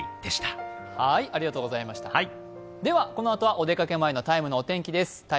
では、このあとはお出かけ前の「ＴＩＭＥの天気」です。